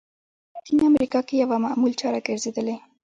دا په لاتینه امریکا کې یوه معمول چاره ګرځېدلې.